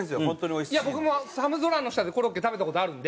いや僕も寒空の下でコロッケ食べた事あるんで。